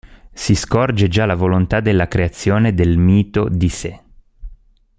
Si scorge già la volontà della creazione del mito di sé.